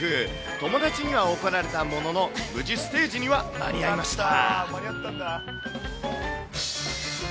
友達には怒られたものの、無事、ステージには間に合いました。